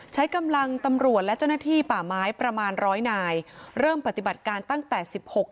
ใช้กำลังตำรวจและเจ้าหน้าที่ป่าไม้ประมาณร้อยนายเริ่มปฏิบัติการตั้งแต่สิบหก